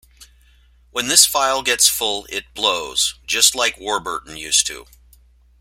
When this file gets full, it blows, just like Warburton used to.